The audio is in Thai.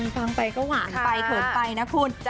ฟังไปก็หวานไปเขินไปนะคุณ